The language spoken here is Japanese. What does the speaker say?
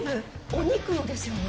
お肉のですよね？